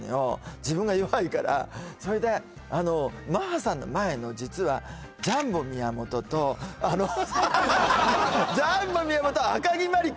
自分が弱いからそれでマッハさんの前の実はジャンボ宮本とジャンボ宮本赤城マリ子！